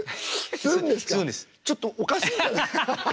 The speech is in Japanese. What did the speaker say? ちょっとおかしいんじゃない？